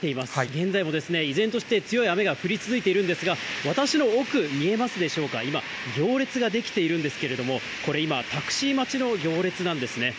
現在も依然として強い雨が降り続いているんですが、私の奥、見えますでしょうか、今、行列が出来ているんですけれども、これ、今、タクシー待ちの行列なんですね。